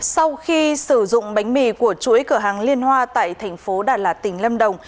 sau khi sử dụng bánh mì của chuỗi cửa hàng liên hoa tại thành phố đà lạt tỉnh lâm đồng